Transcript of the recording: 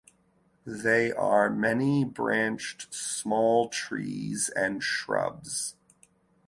They are many-branched, small trees and shrubs.